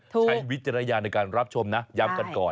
วิจารณญาณในการรับชมนะย้ำกันก่อน